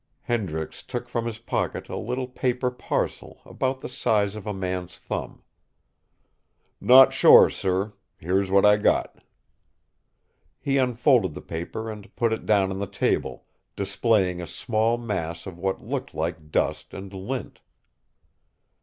Hendricks took from his pocket a little paper parcel about the size of a man's thumb. "Not sure, sir. Here's what I got." He unfolded the paper and put it down on the table, displaying a small mass of what looked like dust and lint.